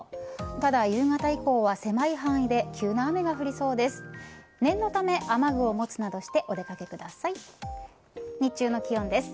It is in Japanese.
ただ、夕方以降は狭い範囲で急な雨が降りそうです。